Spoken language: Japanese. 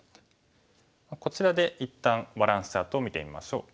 こちらで一旦バランスチャートを見てみましょう。